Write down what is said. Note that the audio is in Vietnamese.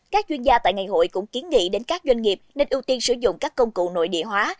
các chuyên gia tại ngày hội cũng kiến nghị đến các doanh nghiệp nên ưu tiên sử dụng các công cụ nội địa hóa